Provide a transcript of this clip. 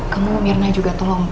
kamu mirna juga tolong